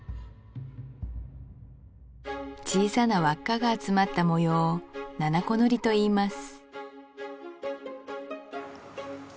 小さな輪っかが集まった模様を七々子塗といいます